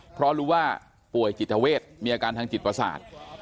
เพราะรู้ว่าป่วยจิตเวทมีอาการทางจิตประสาท